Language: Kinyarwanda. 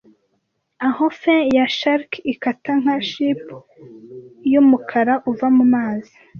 Aho fin ya sharke ikata nka chip yumukara uva mumazi,